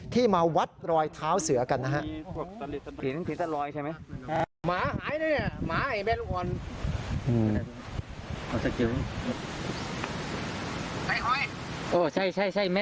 ที่มาวัดรอยเท้าเสือกันนะฮะ